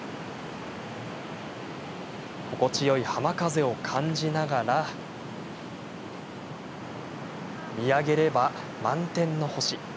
心地よい浜風を感じながら見上げれば満天の星。